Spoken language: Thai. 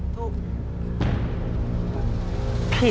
ถูกที่